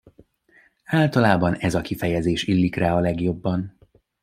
Általában ez a kifejezés illik rá a legjobban.